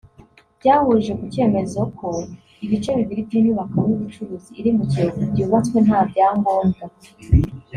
byahurije ku cyemezo ko ibice bibiri by’inyubako y’ubucuruzi iri mu Kiyovu byubatswe nta byangombwa